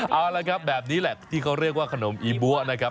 เอาละครับแบบนี้แหละที่เขาเรียกว่าขนมอีบัวนะครับ